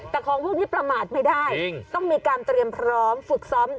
แต่ของพวกนี้ประมาทไม่ได้ต้องมีการเตรียมพร้อมฝึกซ้อม